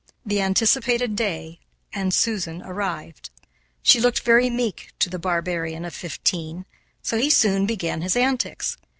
The anticipated day and Susan arrived. She looked very meek to the barbarian of fifteen, so he soon began his antics.